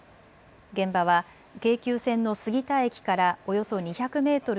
現場は京急線の杉田駅からおよそ２００メートル